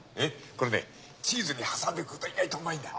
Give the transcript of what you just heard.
これねチーズに挟んで食うと意外とうまいんだよ。